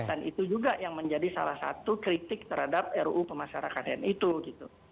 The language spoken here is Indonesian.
dan itu juga yang menjadi salah satu kritik terhadap ruu pemasarakatan itu gitu